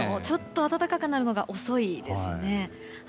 ちょっと暖かくなるのが遅いですね。